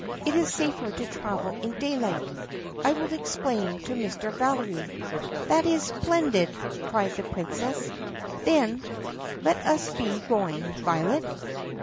"It is safer to travel in daylight. I will explain to Mr. Valery." "That is splendid!" cried the Princess. Then, "Let us be going, Violet."